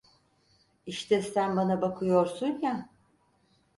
İşte sen bana bakıyorsun ya!